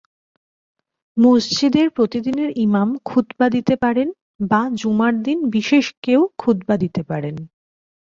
মসজিদের প্রতিদিনের ইমাম খুতবা দিতে পারেন বা জুমার দিন বিশেষ কেউ খুতবা দিতে পারেন।